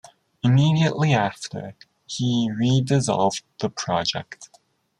Immediately after, he re-dissolved the project.